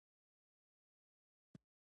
د افغانستان طبیعت له د کابل سیند څخه جوړ شوی دی.